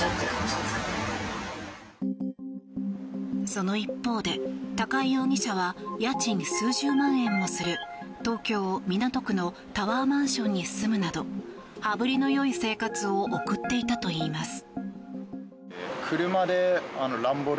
その一方で高井容疑者は家賃数十万円もする東京・港区のタワーマンションに住むなど羽振りのよい生活を送っていたといいます。